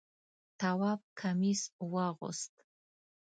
تواب کمیس واغوست.